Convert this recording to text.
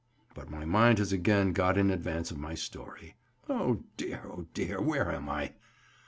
But my mind has again got in advance of my story. Oh, dear! oh, dear! where am I?"